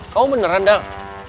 kamu beneran dang